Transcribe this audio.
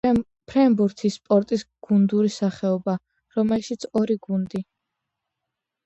ფრენბურთი — სპორტის გუნდური სახეობა, რომელშიც ორი გუნდი